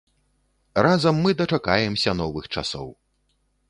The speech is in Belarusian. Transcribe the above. Разам мы дачакаемся новых часоў!